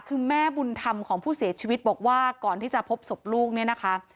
คือแม่บุญธรรมของผู้เสียชีวิตบอกว่าก่อนที่จะพบศพลูกเนี่ยนะคะ